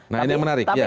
nah ini yang menarik